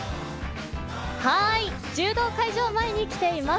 柔道会場前に来ています。